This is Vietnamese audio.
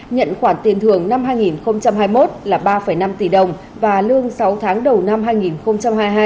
nhận khoản tiền thưởng năm hai nghìn hai mươi một là ba năm tỷ đồng và lương sáu tháng đầu năm hai nghìn hai mươi hai